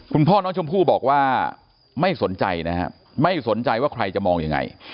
คุณพ่อน้องชมพู่บอกว่าไม่สนใจนะครับไม่สนใจว่าใครจะมองยังไง